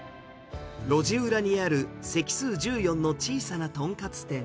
路地裏にある席数１４の小さな豚カツ店。